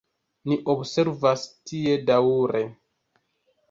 Ni observas tie daŭre.